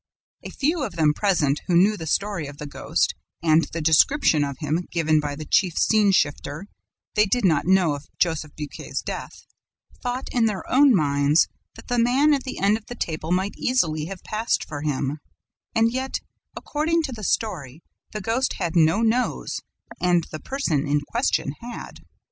A few of those present who knew the story of the ghost and the description of him given by the chief scene shifter they did not know of Joseph Buquet's death thought, in their own minds, that the man at the end of the table might easily have passed for him; and yet, according to the story, the ghost had no nose and the person in question had.